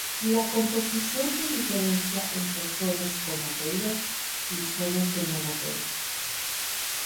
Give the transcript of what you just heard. La composición se diferencia entre zonas con materia y zonas de no materia.